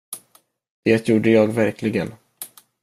Det gjorde jag verkligen.